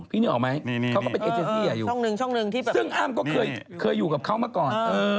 ซึ่งอ้างก็เคยอยู่กับเขามาก่อน